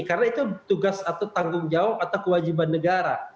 karena itu tugas atau tanggung jawab atau kewajiban negara